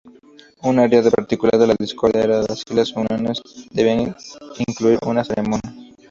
Un área particular de la discordia era si las uniones debían incluir una ceremonia.